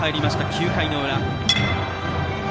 ９回の裏。